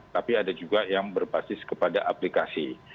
tapi ada juga yang berbasis kepada aplikasi